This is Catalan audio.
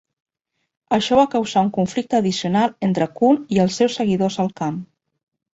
Això va causar un conflicte addicional entre Kun i els seus seguidors al camp.